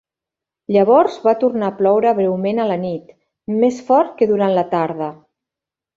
Llavors, va tornar a ploure breument a la nit, més fort que durant la tarda.